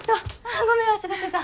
あごめん忘れてた。